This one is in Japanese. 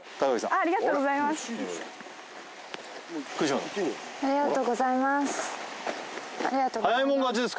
ありがとうございます